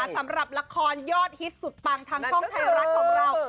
สำหรับละครยอดฮิตสุดปังทางช่องไทยรัฐของเรา